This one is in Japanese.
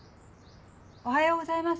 おはようございます